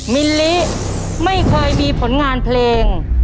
มิลลิไม่เคยมีผลงานเพลง